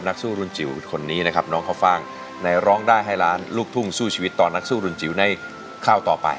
นักสู้รุ่นจิ๋วคนนี้นะครับน้องข้าวฟ่างในร้องได้ให้ล้านลูกทุ่งสู้ชีวิตต่อนักสู้รุนจิ๋วในข้าวต่อไป